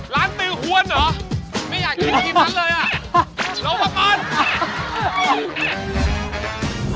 ร้านตือหวนหรอไม่อยากเค็มกินทั้งเลยอ่ะ